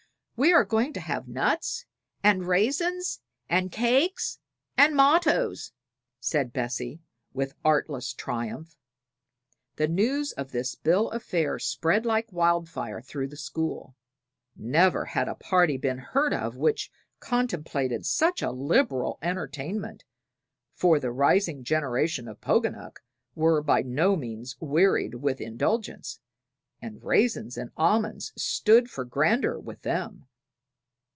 "We are going to have nuts, and raisins, and cakes, and mottoes," said Bessie, with artless triumph. The news of this bill of fare spread like wildfire through the school. Never had a party been heard of which contemplated such a liberal entertainment, for the rising generation of Poganuc were by no means wearied with indulgence, and raisins and almonds stood for grandeur with them.